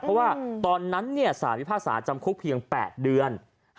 เพราะว่าตอนนั้นสารพิพากษาจำคุกเพียง๘เดือน